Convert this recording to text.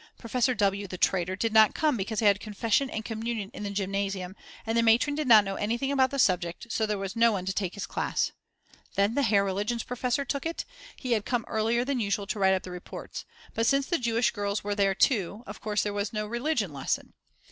Professor W., the traitor, did not come because he had confession and communion in the Gymnasium, and the matron did not know anything about the subject so there was no one to take his class. Then the Herr Religionsprofessor took it, he had come earlier than usual to write up the reports. But since the Jewish girls were there too, of course there was no religion lesson.